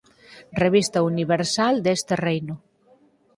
Revista Universal de este Reino".